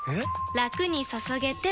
ラクに注げてペコ！